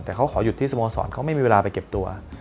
แต่เขาขอหยุดที่สโมสรเขาไม่มีเวลาไปเก็บตัว